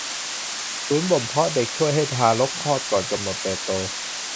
ศูนย์บ่มเพาะเด็กช่วยให้ทารกคลอดก่อนกำหนดเติบโต